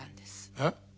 えっ？